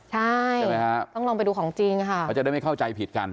ใช่ไหมฮะต้องลองไปดูของจริงค่ะเขาจะได้ไม่เข้าใจผิดกัน